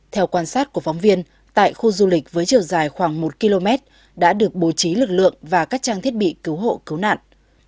theo quan sát của phóng viên tại khu du lịch với chiều dài khoảng một km đã được bố trí lực lượng và các trang thiết bị cứu hộ cứu nạn